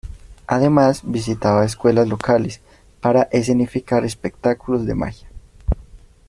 Además, visitaba escuelas locales para escenificar espectáculos de magia.